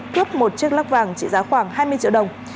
cướp một chiếc lắc vàng trị giá khoảng hai mươi triệu đồng